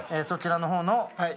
そちらの方の金額。